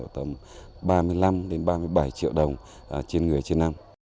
tầm ba mươi năm ba mươi bảy triệu đồng trên người trên năm